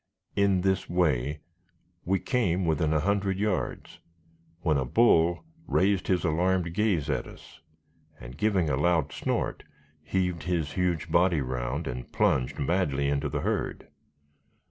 In this way, we came within a hundred yards, when a bull raised his alarmed gaze at us, and, giving a loud snort, heaved his huge body round, and plunged madly into the herd.